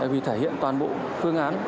vì thể hiện toàn bộ phương án